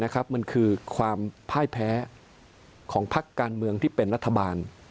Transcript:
มันคือความพ่ายแพ้ของพักการเมืองที่เป็นรัฐบาล